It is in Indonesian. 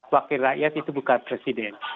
wakil rakyat itu bukan presiden